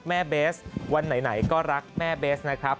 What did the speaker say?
เบสวันไหนก็รักแม่เบสนะครับ